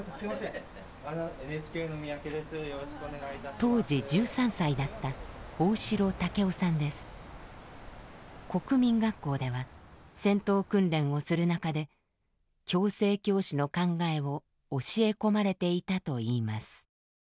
当時１３歳だった国民学校では戦闘訓練をする中で共生共死の考えを教え込まれていたといいます。